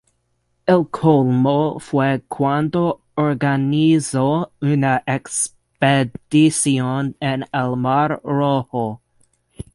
El colmo fue cuando organizó una expedición en el Mar Rojo.